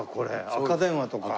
赤電話とか。